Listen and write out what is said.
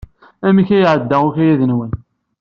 Amek ay iɛedda ukayad-nwen?